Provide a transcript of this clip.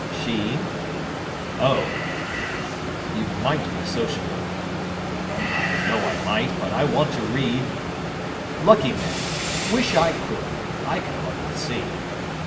"Sheen." "Oh!" "You might be sociable." "I know I might. But I want to read." "Lucky man. Wish I could. I can hardly see.